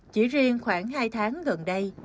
chỉ riêng khoảng hai tháng gần đây